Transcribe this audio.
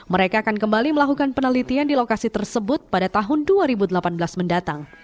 mereka akan kembali melakukan penelitian di lokasi tersebut pada tahun dua ribu delapan belas mendatang